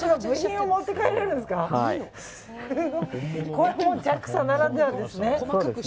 これもＪＡＸＡならではですね。